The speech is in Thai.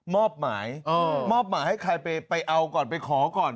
มอบหมายมอบหมายให้ใครไปเอาก่อนไปขอก่อน